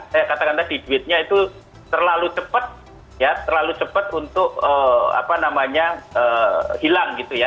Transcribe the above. saya katakan tadi duitnya itu terlalu cepat ya terlalu cepat untuk hilang gitu ya